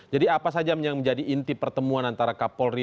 jadi apa saja yang menjadi inti pertemuan antara kapolri